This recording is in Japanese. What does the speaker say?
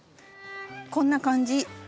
こんな感じ。